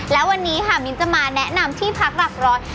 และวันนี้ค่ะมิ้นจะมาแนะนำที่พักหลักร้อย